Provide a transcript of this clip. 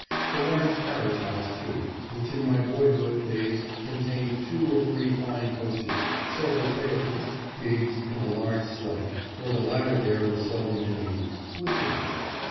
The large carriage house, too, which in my boyhood days contained two or three fine coaches, several phaetons, gigs, and a large sleigh, (for the latter there was seldom any use) was gone.